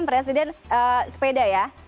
dan presiden sepeda ya